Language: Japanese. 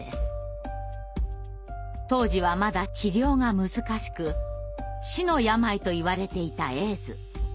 当時はまだ治療が難しく死の病といわれていたエイズ。